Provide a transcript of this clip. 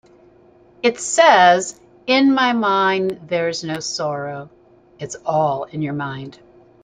It says: 'In my mind there's no sorrow...' It's all in your mind.